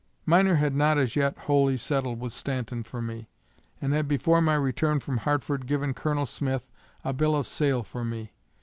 Miner had not as yet wholly settled with Stanton for me, and had before my return from Hartford given Col. Smith a bill of sale for me.